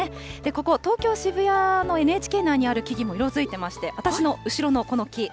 ここ、東京・渋谷のＮＨＫの庭にある木々も色づいてまして、私の後ろのこの木。